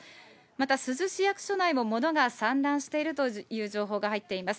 また珠洲市役所内も物が散乱しているという情報が入っています。